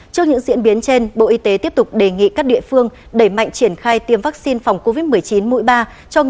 trước những diễn biến trên bộ y tế tiếp tục đề nghị các địa phương đẩy mạnh triển khai tiêm vaccine phòng covid một mươi chín mũi ba cho người từ một mươi hai tuổi trở lên